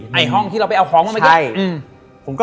ในห้องที่เราไปเอาของมาไหมก็อืม